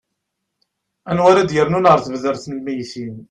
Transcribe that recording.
anwa ara d-yernun ar tebdart n lmeyytin